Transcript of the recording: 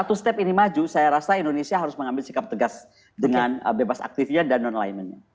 satu step ini maju saya rasa indonesia harus mengambil sikap tegas dengan bebas aktifnya dan non alignment nya